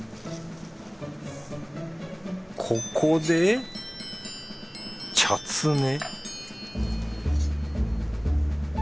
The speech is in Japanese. ここでチャツネ